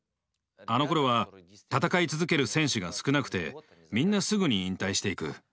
あのころは戦い続ける選手が少なくてみんなすぐに引退していく。